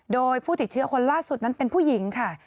โดยผู้ติดเชื้อคนล่าสุดนั้นเป็นผู้หญิงค่ะ